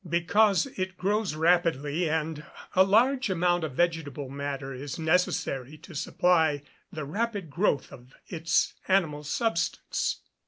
_ Because it grows rapidly, and a large amount of vegetable matter is necessary to supply the rapid growth of its animal substance.